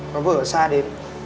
nó vừa ở xa đi